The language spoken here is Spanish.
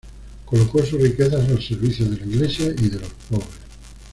Colocó sus riquezas al servicio de la Iglesia y de los pobres.